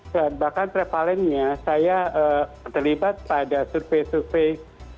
dan bahkan prevalentnya saya terlibat pada survei survei